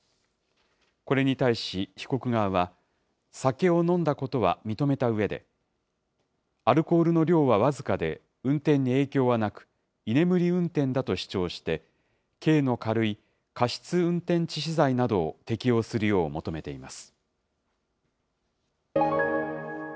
これに対し、被告側は酒を飲んだことは認めたうえで、アルコールの量は僅かで、運転に影響はなく、居眠り運転だと主張して、刑の軽い過失運転致死罪などを適用するよう求めています。